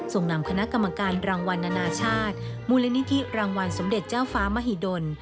นำคณะกรรมการรางวัลนานาชาติมูลนิธิรางวัลสมเด็จเจ้าฟ้ามหิดล